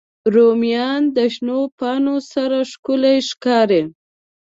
رومیان د شنو پاڼو سره ښکلي ښکاري